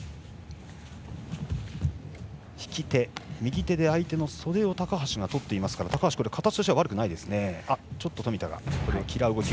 引き手、右手で相手の袖を高橋が取っていますから高橋、形としては悪くないですね。